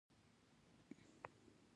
عرض البلد تر نوي درجو پورې بدلون موندلی شي